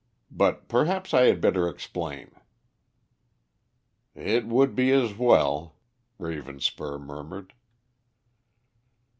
But perhaps I had better explain." "It would be as well," Ravenspur murmured.